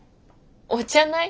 お茶ない？